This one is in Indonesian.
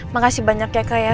makasih banyak ya kak ya